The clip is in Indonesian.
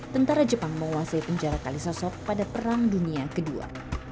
tentara jepang menguasai penjara kalisosok pada perang dunia ii